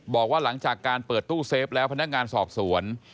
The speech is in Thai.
บอกว่าหลังจากการเปิดตู้เซฟแล้วพนักงานสอบสวน